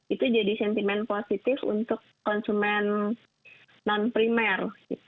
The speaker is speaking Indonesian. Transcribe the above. itu jadi sentimen positif untuk konsumen non primer